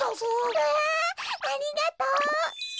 うわありがとう！